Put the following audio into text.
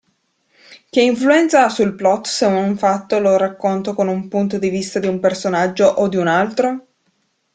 Che influenza ha sul plot se un fatto lo racconto con un punto di vista di un personaggio o di un altro?